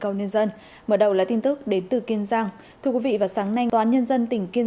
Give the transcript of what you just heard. câu nhân dân mở đầu là tin tức đến từ kiên giang thưa quý vị và sáng nay toán nhân dân tỉnh kiên